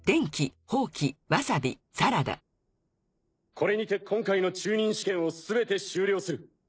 これにて今回の中忍試験をすべて終了する。